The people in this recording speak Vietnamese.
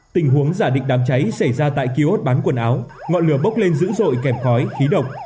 tình huống giả định đám cháy xảy ra tại kiosk bán quần áo ngọn lửa bốc lên dữ dội kèm khói khí độc